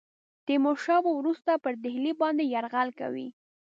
تیمور شاه به وروسته پر ډهلي باندي یرغل کوي.